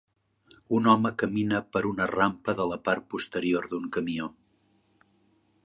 Un home camina per una rampa de la part posterior d'un camió.